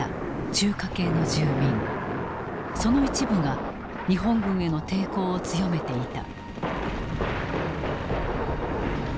その一部が日本軍への抵抗を強めていた。